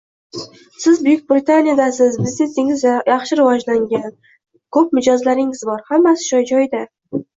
Siz Buyuk Britaniyadansiz, biznesingiz yaxshi rivojlangan, koʻp mijozlaringiz bor, hammasi joy-joyida.